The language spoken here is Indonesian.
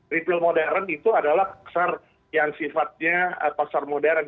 retail modern itu adalah pasar yang sifatnya pasar modern